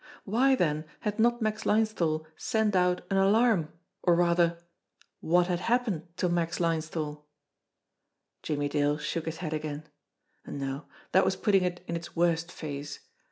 Why then had not Max Linesthal sent out an alarm, or, rather what had hap pened to Max Linesthal f Jimmie Dale shook his head again. No; that was putting it in its worst phase.